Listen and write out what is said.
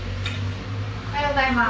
おはようございます。